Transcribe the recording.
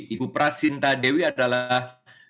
ibu prasinta dewi adalah